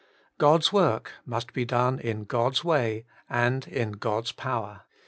God's work must be done in God's way, and in God's power.